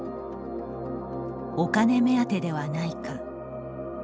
お金目当てではないか。